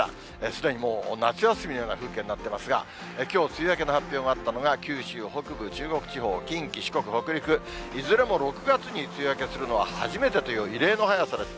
すでにもう夏休みのような風景になっていますが、きょう、梅雨明けの発表があったのが、九州北部、中国地方、近畿、四国、北陸、いずれも６月に梅雨明けするのは初めてという異例の早さです。